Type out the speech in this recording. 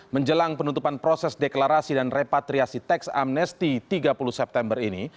menjelang penutupan proses deklarasi dan repatriasi teks amnesti tiga puluh september ini